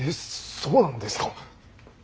そうなんですか！？